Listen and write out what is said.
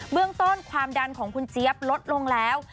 เรื่องต้นความดันของคุณเจี๊ยบลดลงแล้ว